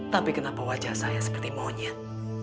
tapi kenapa wajah saya seperti monyet